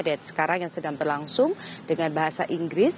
dan sekarang yang sedang berlangsung dengan bahasa inggris